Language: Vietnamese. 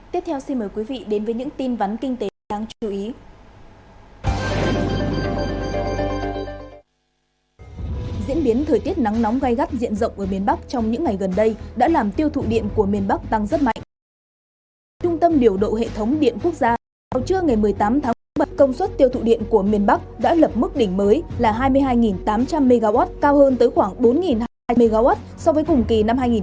tiếp theo xin mời quý vị đến với những tin vắn kinh tế đáng chú ý